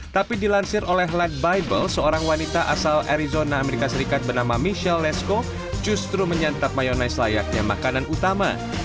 tapi dilansir oleh lag bible seorang wanita asal arizona amerika serikat bernama michellesko justru menyantap mayonaise layaknya makanan utama